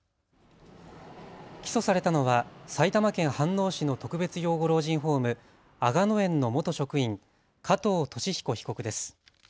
起訴されたのは埼玉県飯能市の特別養護老人ホーム、吾野園の元職員、加藤肇彦被告です。